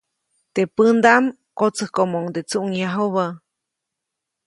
Teʼ pändaʼm kotsäjkomoʼuŋde tsuʼŋyajubä.